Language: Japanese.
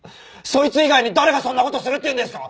そいつ以外に誰がそんな事するっていうんですか？